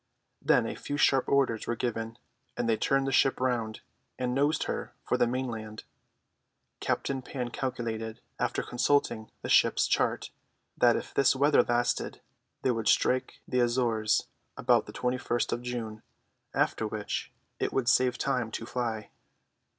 Then a few sharp orders were given, and they turned the ship round, and nosed her for the mainland. Captain Pan calculated, after consulting the ship's chart, that if this weather lasted they should strike the Azores about the 21st of June, after which it would save time to fly.